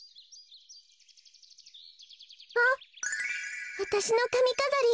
あっわたしのかみかざり。